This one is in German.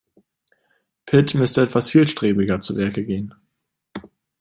Pit müsste etwas zielstrebiger zu Werke gehen.